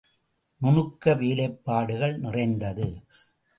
நுணுக்க வேலைப்பாடுகள் நிறைந்தது.